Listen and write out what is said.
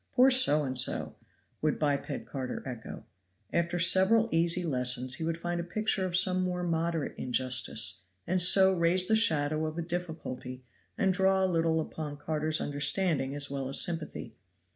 "Poor so and so!" would biped Carter echo. After several easy lessons he would find him a picture of some more moderate injustice, and so raise the shadow of a difficulty and draw a little upon Carter's understanding as well as sympathy.